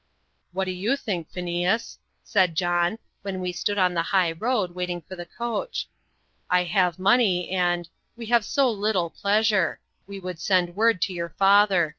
"What do you think, Phineas?" said John, when we stood in the high road, waiting for the coach; "I have money and we have so little pleasure we would send word to your father.